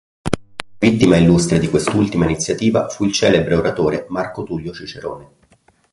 Vittima illustre di quest'ultima iniziativa fu il celebre oratore Marco Tullio Cicerone.